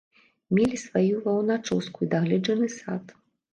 Мелі сваю ваўначоску і дагледжаны сад.